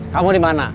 kamu di mana